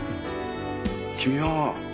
君は。